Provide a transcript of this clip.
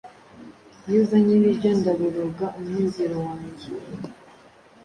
iyo uzanye ibiryo ndaboroga umunezero wanjye,